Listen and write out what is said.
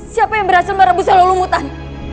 siapa yang berhasil merebus selalu mutan